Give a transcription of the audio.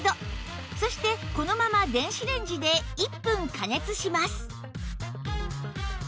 そしてこのまま電子レンジで１分加熱します